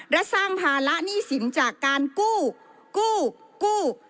และสร้างภาระหนี้สินจากการกู้กู้